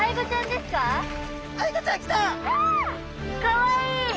かわいい！